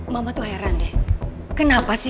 jangan sampai nanti